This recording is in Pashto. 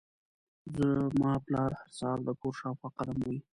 زما پلار هر سهار د کور شاوخوا قدم وهي.